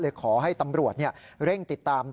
ขอให้ตำรวจเร่งติดตาม